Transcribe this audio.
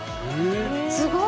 すごい！